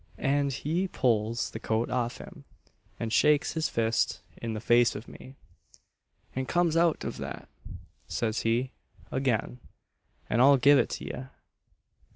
And he pulls the coat off him, and shakes his fist in the face of me; and come out o' that, says he, again, and I'll give it t' ye.